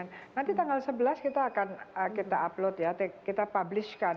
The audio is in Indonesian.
nanti tanggal sebelas kita akan upload kita publishkan